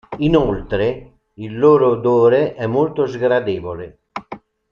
Inoltre il loro odore è molto sgradevole.